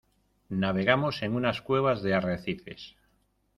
navegamos en unas cuevas de arrecifes.